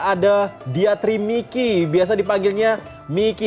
ada diatri miki biasa dipanggilnya miki